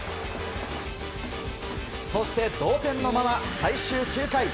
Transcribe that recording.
そして、同点のまま最終９回。